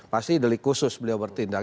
pasti delik khusus beliau bertindak